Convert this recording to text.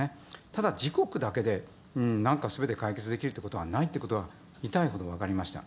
ただ、自国だけですべて解決できるということはないってことは、痛いほど分かりました。